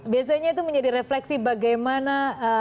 biasanya itu menjadi refleksi bagaimana